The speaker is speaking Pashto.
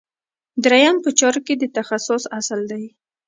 دریم په چارو کې د تخصص اصل دی.